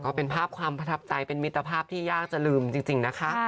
ก็เป็นภาพความประทับใจเป็นมิตรภาพที่ยากจะลืมจริงนะคะ